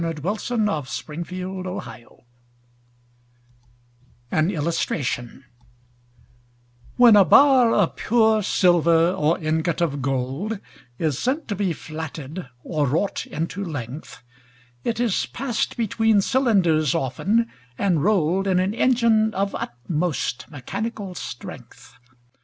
William Cowper The Flatting Mill An Illustration WHEN a bar of pure silver or ingot of gold Is sent to be flatted or wrought into length, It is pass'd between cylinders often, and roll'd In an engine of utmost mechanical strength.